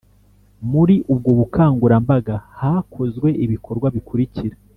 Muri ubwo bukangurambaga hakozwe ibikorwa bikurikira